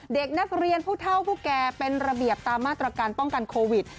เด็กนักเรียนผู้เท่าผู้แก่เป็นระเบียบตามมาตรการป้องกันโควิด